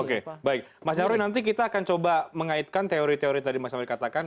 oke baik mas nyarwi nanti kita akan coba mengaitkan teori teori tadi mas nyarwi katakan